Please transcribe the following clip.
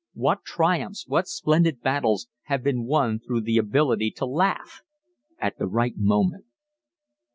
What triumphs, what splendid battles, have been won through the ability to laugh at the right moment.